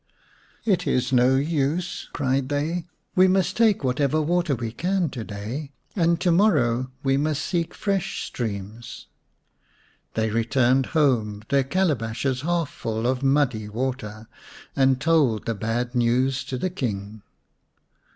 "It is no use," cried they. " We must take what water we can to day, and to morrow we must seek fresh streams." They returned home, their calabashes half full of muddy water, and told the bad news to the King.